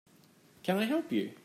Can I help you?